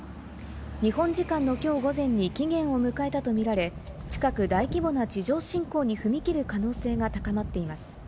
日本時間のきょう午前に期限を迎えたとみられ、近く大規模な地上侵攻に踏み切る可能性が高まっています。